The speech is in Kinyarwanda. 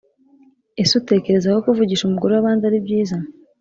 Ese utekereza ko kuvugisha umugore wabandi ari byiza